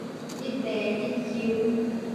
一例一休